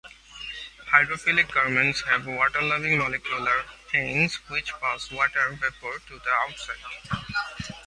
Hydrophilic garments have water-loving molecular chains which pass water vapor to the outside.